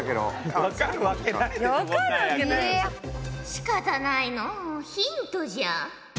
しかたないのうヒントじゃ！